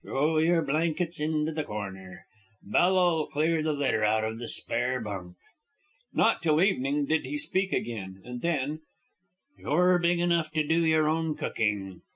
"Throw your blankets into the corner. Bella'll clear the litter out of the spare bunk." Not till evening did he speak again, and then, "You're big enough to do your own cooking.